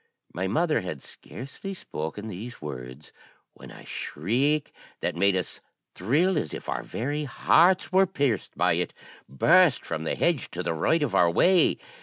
My mother had scarcely spoken these words, when a shriek, that made us thrill as if our very hearts were pierced by it, burst from the hedge to the right of our way.